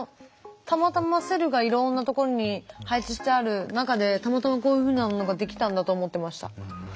たまたまセルがいろんなところに配置してある中でたまたまこういうふうものなのが出来たんだと思ってました。